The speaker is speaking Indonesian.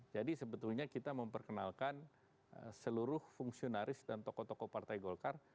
sebetulnya kita memperkenalkan seluruh fungsionaris dan tokoh tokoh partai golkar